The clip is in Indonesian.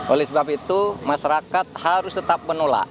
oleh sebab itu masyarakat harus tetap menolak